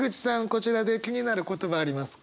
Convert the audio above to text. こちらで気になる言葉ありますか？